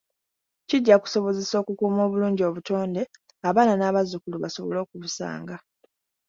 Kijja kusobozesa okukuuma obulungi obutonde abaana n’abazzukulu basobole okubusanga.